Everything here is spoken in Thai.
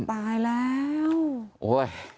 ตายแล้ว